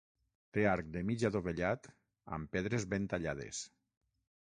Té arc de mig adovellat amb pedres ben tallades.